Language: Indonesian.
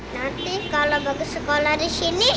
nanti kalau bagus sekolah disini